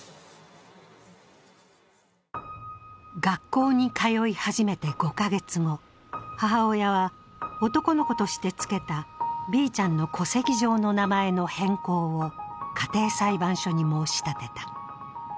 学校に通い始めて５カ月後、母親は男の子としてつけたＢちゃんの戸籍上の名前の変更を家庭裁判所に申し立てた。